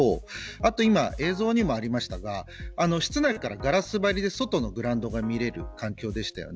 映像にもありましたが室内からガラス張りで外のグラウンドが見れる環境でした。